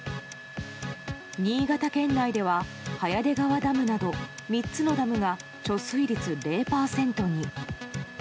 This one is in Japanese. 新潟県内では早出川ダムなど３つのダムが貯水率０％に。